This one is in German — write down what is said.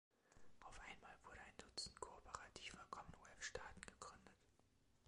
Auf einmal wurde ein Dutzend kooperativer Commonwealth-Staaten gegründet.